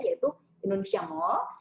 yaitu indonesia mall